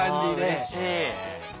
あうれしい。